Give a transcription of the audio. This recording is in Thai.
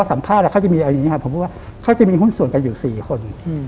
ส่วนกันอยู่๔คน